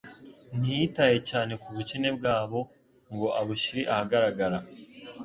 ntiyitaye cyane ku bukene bwabo ngo abushyire ahagaragara.